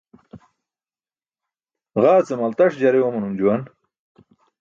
Ġaa ce maltaṣ jare oomanum juwan.